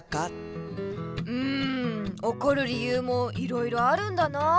んおこる理ゆうもいろいろあるんだな。